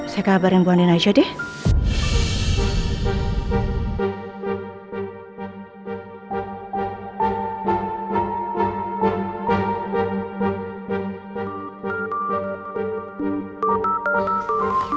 saya kabarin bu andina aja deh